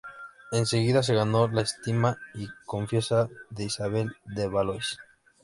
Enseguida se ganó la estima y confianza de Isabel de Valois.